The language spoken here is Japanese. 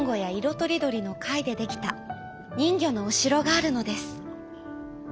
とりどりのかいでできたにんぎょのおしろがあるのです。